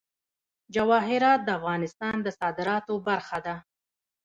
جواهرات د افغانستان د صادراتو برخه ده.